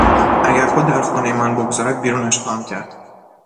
اگر پا در خانهی من بگذارد بیرونش خواهم کرد!